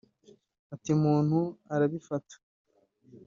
Ati “Umuntu arabifata